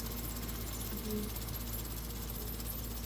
kaskazini ita itachukuliaje swala hili